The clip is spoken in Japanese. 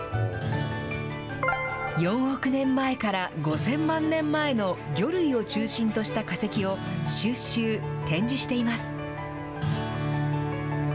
４億年前から５０００万年前の魚類を中心とした化石を収集・展示しています。